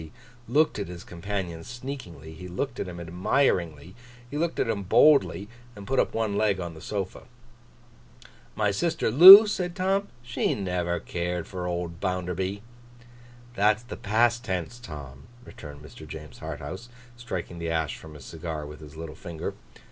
He looked at his companion sneakingly, he looked at him admiringly, he looked at him boldly, and put up one leg on the sofa. 'My sister Loo?' said Tom. 'She never cared for old Bounderby.' 'That's the past tense, Tom,' returned Mr. James Harthouse, striking the ash from his cigar with his little finger.